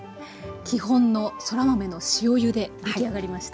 基本のそら豆の塩ゆでできあがりました。